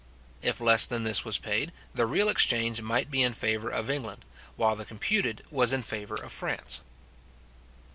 If less than this was paid, the real exchange might be in favour of England, while the computed was in favour of France.